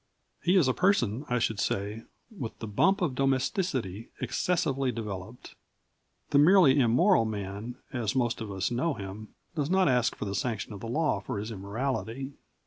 He is a person, I should say, with the bump of domesticity excessively developed. The merely immoral man, as most of us know him, does not ask for the sanction of the law for his immorality.